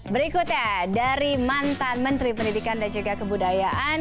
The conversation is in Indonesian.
berikutnya dari mantan menteri pendidikan dan juga kebudayaan